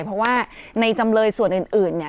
เพราะว่าในจำเลยส่วนอื่น